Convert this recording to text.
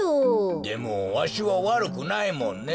でもわしはわるくないもんね。